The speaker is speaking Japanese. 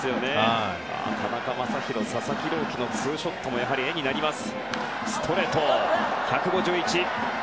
田中将大佐々木朗希のツーショットもやはり絵になります。